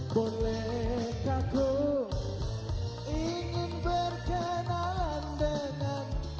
bolehkah ku ingin berkenalan denganmu